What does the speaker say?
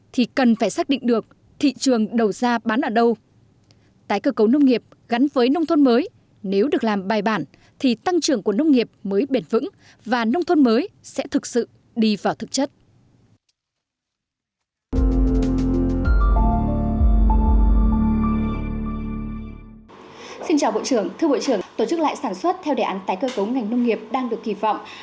thưa bộ trưởng tổ chức lại sản xuất theo đề án tái cơ cấu ngành nông nghiệp đang được kỳ vọng